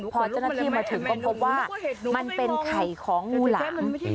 พอเจ้าหน้าที่มาถึงก็พบว่ามันเป็นไข่ของงูหลาม